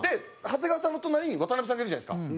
長谷川さんの隣に渡辺さんがいるじゃないですか。